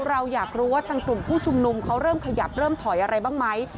เราอยากรู้ว่าทางกลุ่มผู้ชุมนุมเขาเริ่มขยับเริ่มถอยอะไรบ้างไหม